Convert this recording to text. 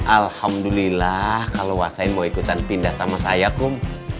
alhamdulillah kalau wasain mau ikutan pindah sama saya kum